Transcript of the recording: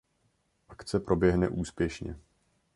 Akce proběhne úspěšně.